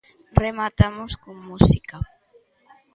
Rematamos con música.